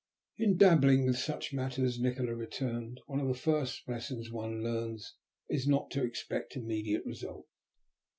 "In dabbling with such matters," Nikola returned, "one of the first lessons one learns is not to expect immediate results.